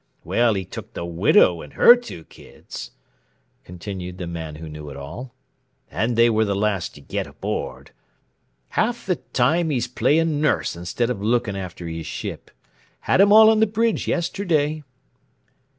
"Well, he took the widow and her two kids" continued the Man Who Knew It All "and they were the last to get aboard. Half the time he's playing nurse instead of looking after his ship. Had 'em all on the bridge yesterday."